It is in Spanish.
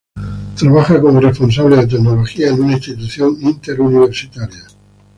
Trabaja como responsable de tecnología en una institución interuniversitaria.